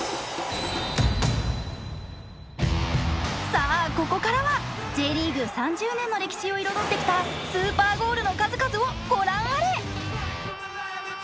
さあここからはＪリーグ３０年の歴史を彩ってきたスーパーゴールの数々をご覧あれ！